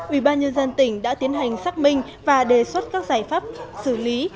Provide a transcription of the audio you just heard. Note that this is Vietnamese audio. ubnd tỉnh đã tiến hành xác minh và đề xuất các giải pháp xử lý